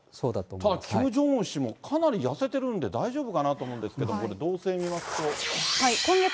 ただキム・ジョンウン氏もかなり痩せてるんで大丈夫かなと思うんですけど、これ動静見ますと。